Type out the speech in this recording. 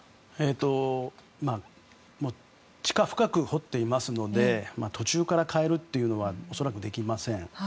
地下深く掘っていますので途中から変えるというのは恐らくできません。